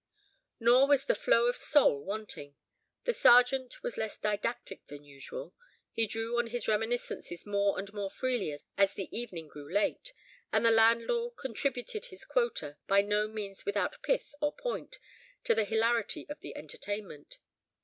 Nor was "the flow of soul" wanting. The Sergeant was less didactic than usual; he drew on his reminiscences more and more freely as the evening grew late, and the landlord contributed his quota, by no means without pith or point, to the hilarity of the entertainment.